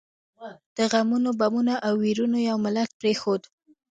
د غمونو، بمونو او ويرونو یو ملت پرېښود.